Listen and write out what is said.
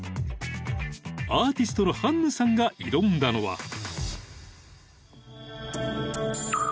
［アーティストのハンヌさんが挑んだのは］